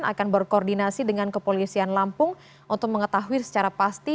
jalan proklamasi jakarta pusat